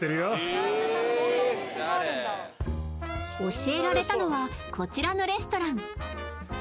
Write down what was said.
教えられたのはこちらのレストラン。